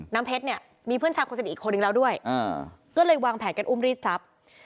เพชรเนี่ยมีเพื่อนชายคนสนิทอีกคนนึงแล้วด้วยก็เลยวางแผนกันอุ้มรีดทรัพย์